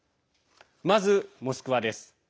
まずモスクワです。